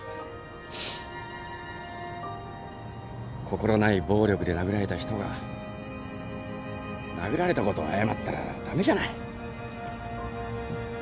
心ない暴力で殴られた人が殴られたことを謝ったら駄目じゃない。